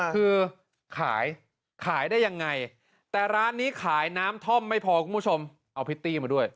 คือขายขายได้ยังไงแต่ร้านนี้ขายน้ำท่อมไม่พอคุณผู้ชมเอาพริตตี้มาด้วย